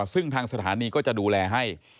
ซึ่งทางสถานีก็จะดูแลให้